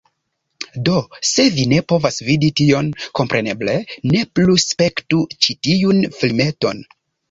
Do, se vi ne povas vidi tion, kompreneble, ne plu spektu ĉi tiun filmeton.